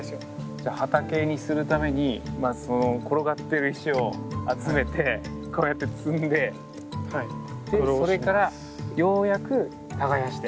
じゃあ畑にするためにまずその転がってる石を集めてこうやって積んででそれからようやく耕して。